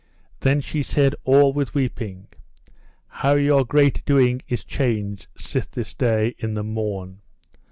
Then she said all with weeping: How your great doing is changed sith this day in the morn.